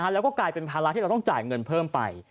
แล้วก็กลายเป็นภาระที่เราต้องจ่ายเงินเพิ่มไป